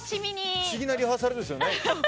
不思議なリハーサルですよね。